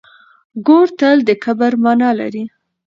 ګور تل د کبر مانا لري.